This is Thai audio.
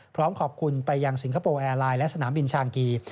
พร้อมขอบคุณไปยังสิงคโปร์แอร์ไลน์และสนามบินชางกี